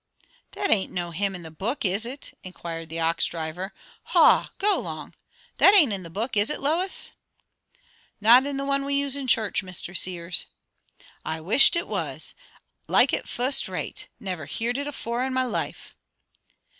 '" "That ain't no hymn in the book, is it?" inquired the ox driver. "Haw! go 'long. That ain't in the book, is it, Lois?" "Not in the one we use in church, Mr. Sears." "I wisht it was! like it fust rate. Never heerd it afore in my life."